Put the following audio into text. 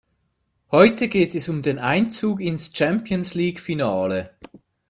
Heute geht es um den Einzug ins Champions-League-Finale.